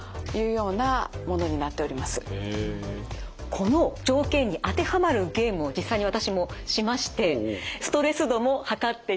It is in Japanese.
この条件に当てはまるゲームを実際に私もしましてストレス度も測っていただきました。